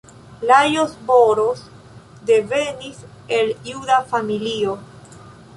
Lajos Boros devenis el juda familio.